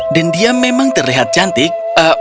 dan dia memang terlihat cantik